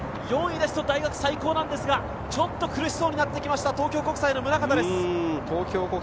４位ですと大学最高ですが、ちょっと苦しそうになってきました、東京国際大学の宗像です。